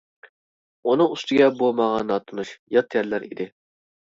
ئۇنىڭ ئۈستىگە بۇ ماڭا ناتونۇش، يات يەرلەر ئىدى.